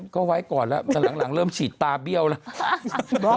ก็ไว้ก่อนล่ะเดี๋ยวหลังเริ่มฉี่ตาเบี้ยวแล้ว